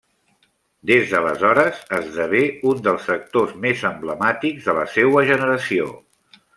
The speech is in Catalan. Des d'aleshores, esdevé un dels actors més emblemàtics de la seua generació.